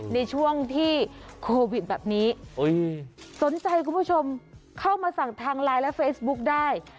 ในช่วงที่โควิดแบบนี้สนใจคุณผู้ชมเข้ามาสั่งทางไลน์และเฟซบุ๊คได้